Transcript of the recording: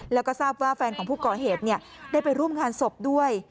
แล้วก็ทราบว่าแฟนของผู้ก่อเหตุได้ไปร่วมงานศพด้วย